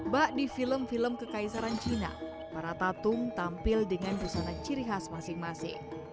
bak di film film kekaisaran cina para tatung tampil dengan busana ciri khas masing masing